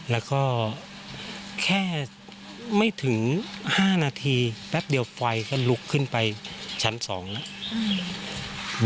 แล้วก็แค่ไม่ถึง๕นาทีแป๊บเดียวไฟก็ลุกขึ้นไปชั้น๒แล้ว